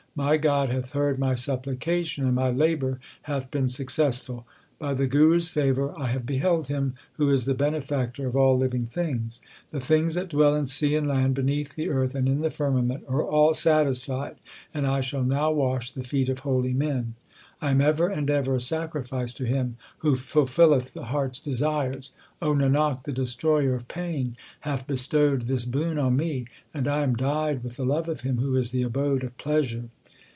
My God hath heard my supplication, and my labour hath been successful. By the Guru s favour I have beheld Him Who is the Benefactor of all living things. The things that dwell in sea and land, beneath the earth, 120 THE SIKH RELIGION and in the firmament, are all satisfied, and I shall now \v;isli the feet of holy men. I am ever and ever a sacrifice to Him Who fulfilleth the heart s desires. Nanak, the Destroyer of pain hath bestowed this boon on me, and I am dyed with the love of Him who is the abode of pleasure.